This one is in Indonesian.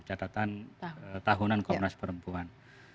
catatan tahunan komnas perempuan